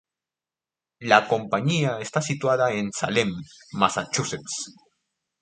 La compañía está situada en Salem, Massachusetts.